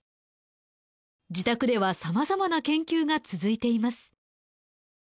自宅ではさまざまな研究が続いています。